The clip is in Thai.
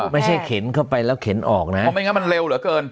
ไม่ใช่เข็นเข้าไปแล้วเข็นออกนะไม่งั้นมันเร็วเหรอเกิน